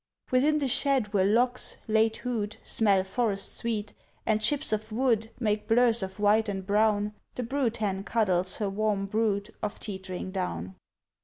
Within the shed where logs, late hewed, Smell forest sweet, and chips of wood Make blurs of white and brown, The brood hen cuddles her warm brood Of teetering down.